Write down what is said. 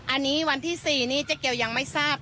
อันนี้วันที่๔นี้เจ๊เกียวยังไม่ทราบ